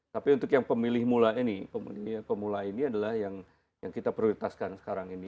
tapi untuk yang pemilih mula ini pemula ini adalah yang kita prioritaskan sekarang ini